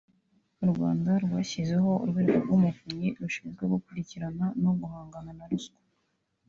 u Rwanda rwashyizeho urwego rw’Umuvunyi rushinzwe gukurikirana no guhangana na ruswa